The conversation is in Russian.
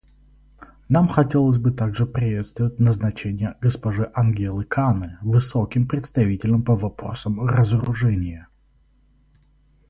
Нам хотелось бы также приветствовать назначение госпожи Ангелы Кане Высоким представителем по вопросам разоружения.